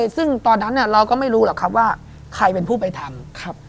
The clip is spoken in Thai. ซึ่งตอนนั้นเราก็ไม่รู้หรอกครับว่าใครเป็นผู้ไปทำ